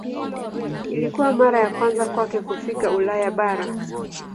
Ilikuwa mara ya kwanza kwake kufika Ulaya bara.